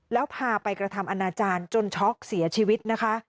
แล้วพาไปกระทำอนาจารย์จนช็อกเสียชีวิตนะคะ